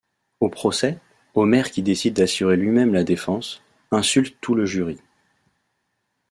Au procès, Homer qui décide d'assurer lui-même la défense, insulte tout le jury.